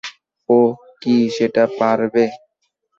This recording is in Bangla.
ও কি সেটা পারবে?